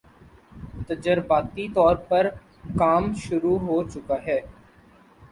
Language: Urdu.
تجرباتی طور پر کام شروع ہو چکا ہے